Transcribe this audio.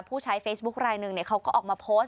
ผู้ใช้เฟซบุ๊คลายหนึ่งเขาก็ออกมาโพสต์